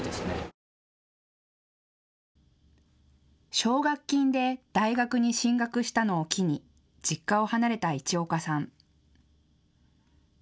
奨学金で大学に進学したのを機に実家を離れた市岡さん。